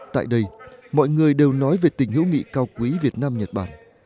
tại đây mọi người đều nói về tình hữu nghị cao quý việt nam nhật bản